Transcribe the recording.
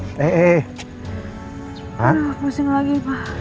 udah pusing lagi